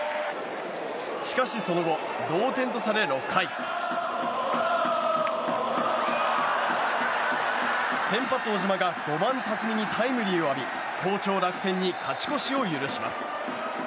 しかしその後、同点とされ６回先発、小島が５番、辰己にタイムリーを浴びタイムリーを浴び好調、楽天に勝ち越しを許します。